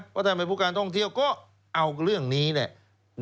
เพราะท่านเป็นผู้การท่องเที่ยวก็เอาเรื่องนี้เนี่ย